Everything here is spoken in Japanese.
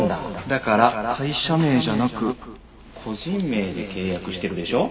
だから会社名じゃなく個人名で契約してるでしょ？